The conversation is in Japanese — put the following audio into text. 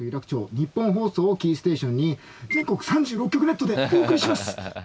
ニッポン放送をキーステーションに全国３６局ネットでお送りします。